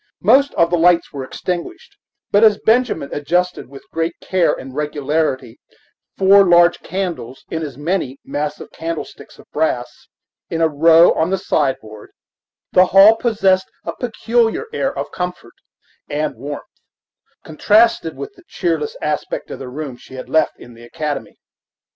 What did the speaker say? Most of the lights were extinguished; but as Benjamin adjusted with great care and regularity four large candles, in as many massive candlesticks of brass, in a row on the sideboard, the hall possessed a peculiar air of comfort and warmth, contrasted with the cheerless aspect of the room she had left in the academy.